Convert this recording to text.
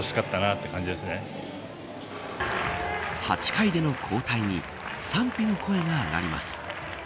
８回での交代に賛否の声が上がります。